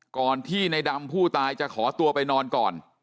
ก่อนที่ในดำผู้ตายจะขอตัวไปนอนก่อน